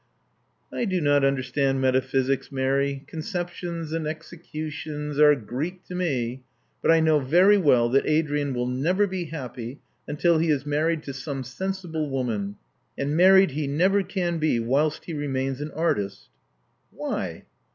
I do not understand metaphysics, Mary. Con ceptions and executions are Greek to me. But I know very well that Adrian will never be happy until he is married to some sensible woman. And married he never can be whilst he remains an artist." Why?"